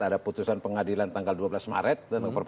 ada putusan pengadilan tanggal dua belas maret